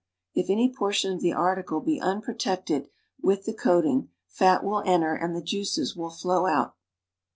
If any portion of the article be unprotected with the coat ing, fat will enter and the juices will flow out.